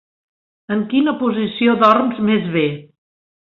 En quina posició dorms més bé?